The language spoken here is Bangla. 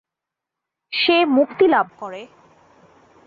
সে মুক্তিলাভ করে।